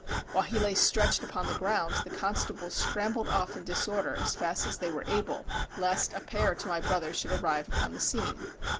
While he lay stretched upon the ground the constables scrambled off in disorder as fast as they were able, lest a pair to my brother should arrive upon the scene.